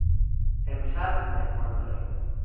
امشب مهمان داریم.